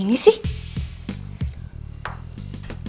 tadi kakek ingin mengejutkan kamu di kampus